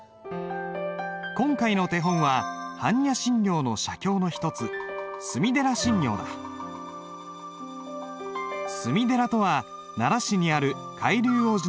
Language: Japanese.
今回の手本は般若心経の写経の一つ隅寺とは奈良市にある海龍王寺の別名だ。